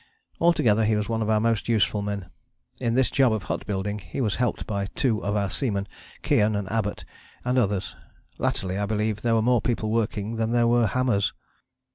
Altogether he was one of our most useful men. In this job of hut building he was helped by two of our seamen, Keohane and Abbott, and others. Latterly I believe there were more people working than there were hammers!